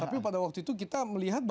tapi pada waktu itu kita melihat